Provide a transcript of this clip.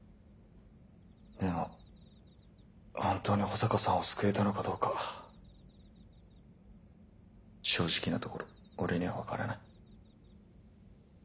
でも本当に保坂さんを救えたのかどうか正直なところ俺には分からない。